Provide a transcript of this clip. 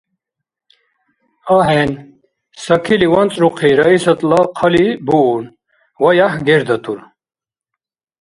– АхӀен! – Сакили, ванцӀрухъи, Раисатла «хъали» буун, ваяхӀ гердатур.